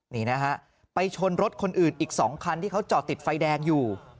นี่นะฮะไปชนรถคนอื่นอีก๒คันที่เขาจอดติดไฟแดงอยู่